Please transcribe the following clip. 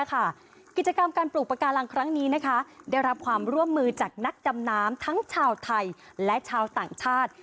กิจกรรมการปลูกปากการังครั้งนี้ได้รับความร่วมมือจากนักดำน้ำทั้งชาวไทยและชาวต่างชาติ